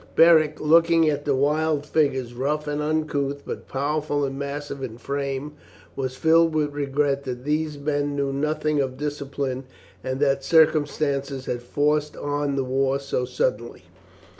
Beric, looking at the wild figures, rough and uncouth but powerful and massive in frame, was filled with regret that these men knew nothing of discipline, and that circumstances had forced on the war so suddenly.